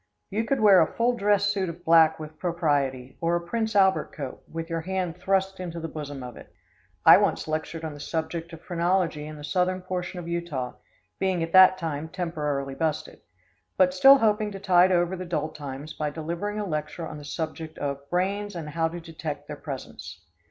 You could wear a full dress suit of black with propriety, or a Prince Albert coat, with your hand thrust into the bosom of it. I once lectured on the subject of phrenology in the southern portion of Utah, being at that time temporarily busted, but still hoping to tide over the dull times by delivering a lecture on the subject of "Brains, and how to detect their presence."